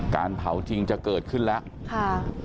การเผาจริงจะเกิดขึ้นแล้ว